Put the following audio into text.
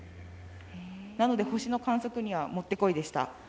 なので星の観測にはもってこいでした。